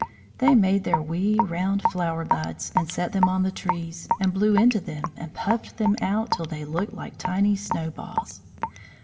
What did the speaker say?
They made their wee round flower buds and set them on the trees, and blew into them and puffed them out till they looked like tiny snowballs.